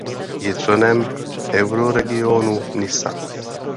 Je členem Euroregionu Nisa.